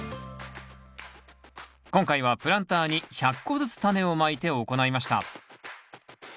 今回はプランターに１００個ずつタネをまいて行いました。